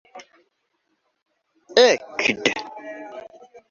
ekde